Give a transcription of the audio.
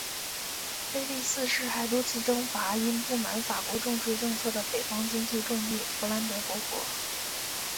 腓力四世还多次征伐因不满法国重税政策的北方经济重地佛兰德伯国。